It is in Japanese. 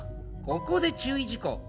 ここで注意事項！